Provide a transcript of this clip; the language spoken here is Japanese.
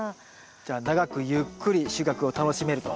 じゃあ長くゆっくり収穫を楽しめると。